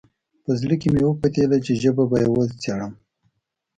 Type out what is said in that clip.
په زړه کې مې وپتېیله چې ژبه به یې وڅېړم.